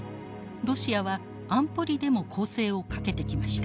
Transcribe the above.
ロシアは安保理でも攻勢をかけてきました。